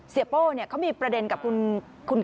เสียป้วนเขามีประเด็นกับคุณ